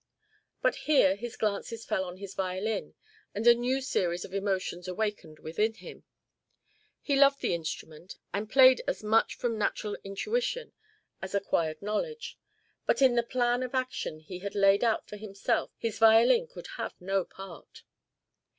But here his glances fell on his violin, and a new series of emotions awakened within him. He loved the instrument and played as much from natural intuition as acquired knowledge, but in the plan of action he had laid out for himself his violin could have no part.